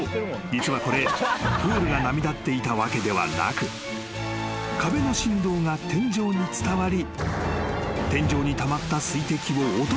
実はこれプールが波立っていたわけではなく壁の振動が天井に伝わり］